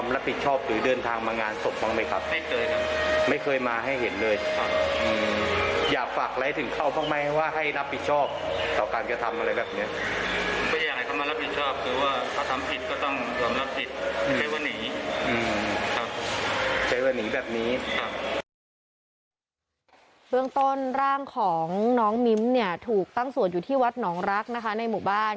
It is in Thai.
เรื่องต้นร่างของน้องมิ้มเนี่ยถูกตั้งสวดอยู่ที่วัดหนองรักนะคะในหมู่บ้าน